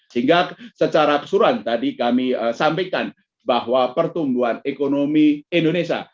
sehingga secara keseluruhan tadi kami sampaikan bahwa pertumbuhan ekonomi indonesia